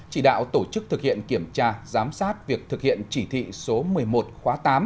chỉ đạo tổ chức thực hiện kiểm tra giám sát việc thực hiện chỉ thị số một mươi một khóa tám